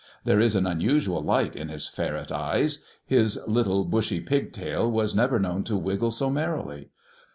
There is an unusual light in his ferret eyes. His little bushy pigtail was never known to wriggle so merrily.